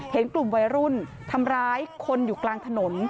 เห็นกลุ่มวัยรุ่นทำร้ายคนอยู่กลางถนน